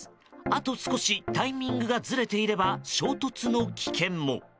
あと少しタイミングがずれていれば衝突の危険も。